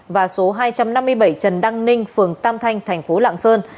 và số hai trăm năm mươi bảy trần đăng ninh phường tam thanh thành phố lạng sơn